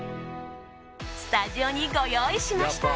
スタジオにご用意しました。